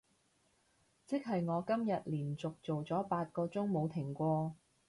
即係我今日連續做咗八個鐘冇停過